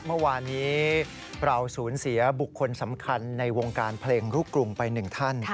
เมื่อวานนี้เราสูญเสียบุคคลสำคัญในวงการเพลงลูกกรุงไปหนึ่งท่าน